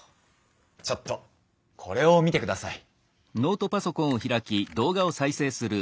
ちょっとこれを見てください。